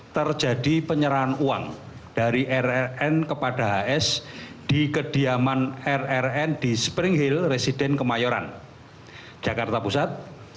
terjadi penyerahan uang dari rrn kepada hs di kediaman rrn di spring hill resident kemayoran jakarta pusat